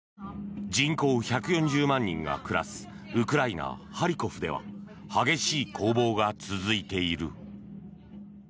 人口１４０万人が暮らすウクライナ・ハリコフでは激しい攻防が続いている。